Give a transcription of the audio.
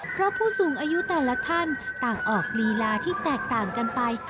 เพราะผู้สูงอายุแต่ละท่านต่างออกลีลาที่แตกต่างกันไป